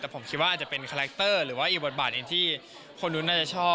แต่ผมคิดว่าอาจจะเป็นคาแรคเตอร์หรือว่าอีกบทบาทหนึ่งที่คนนู้นน่าจะชอบ